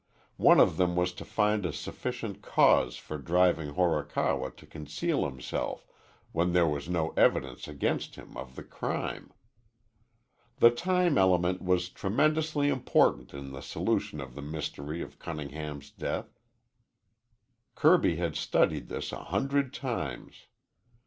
One of them was to find a sufficient cause for driving Horikawa to conceal himself when there was no evidence against him of the crime. The time element was tremendously important in the solution of the mystery of Cunningham's death. Kirby had studied this a hundred times.